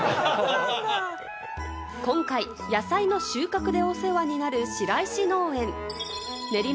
今回、野菜の収穫でお世話になる白石農園。